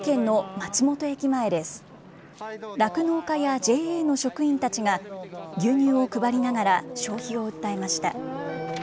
酪農家やＪＡの職員たちが、牛乳を配りながら消費を訴えました。